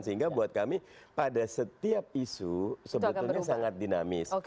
sehingga buat kami pada setiap isu sebetulnya sangat dinamis